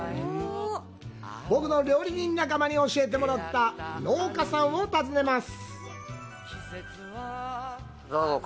僕の料理人仲間に教えてもらった農家さんを訪ねます。